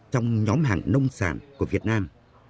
trong nhóm hàng nông sản của việt nam